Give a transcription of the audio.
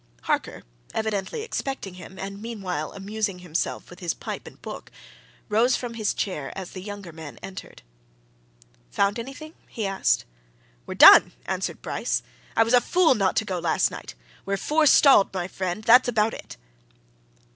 Harker, evidently expecting him, and meanwhile amusing himself with his pipe and book, rose from his chair as the younger man entered. "Found anything?" he asked. "We're done!" answered Bryce. "I was a fool not to go last night! We're forestalled, my friend! that's about it!"